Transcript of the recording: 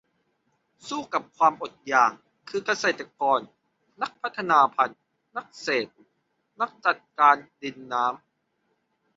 สู้กับความอดอยาก คือเกษตรกร นักพัฒนาพันธุ์ นักเศรษฐ์ นักจัดการดิน-น้ำ